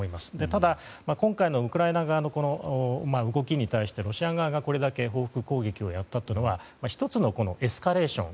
ただ、今回のウクライナ側の動きに対してロシア側がこれだけ報復攻撃をやったのは１つのエスカレーション